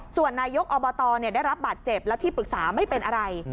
ส่วนนายกอบตได้รับบาดเจ็บแล้วที่ปรึกษาไม่เป็นอะไร